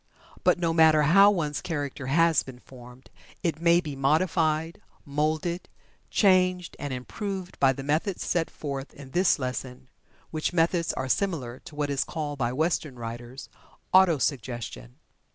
But no matter how one's character has been formed, it may be modified, moulded, changed, and improved by the methods set forth in this lesson, which methods are similar to what is called by Western writers, "Auto suggestion."